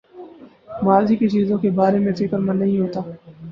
ماضی کی چیزوں کے بارے میں فکر مند نہیں ہوتا